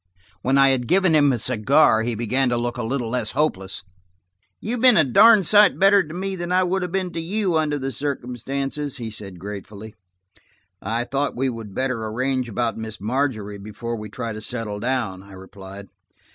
When I had given him a cigar he began to look a little less hopeless. "You've been a darned sight better to me than I would have been to you, under the circumstances," he said gratefully. "I thought we would better arrange about Miss Margery before we try to settle down," I replied.